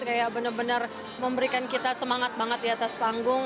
kayak bener bener memberikan kita semangat banget di atas panggung